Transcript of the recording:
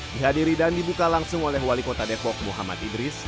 dihadiri dan dibuka langsung oleh wali kota depok muhammad idris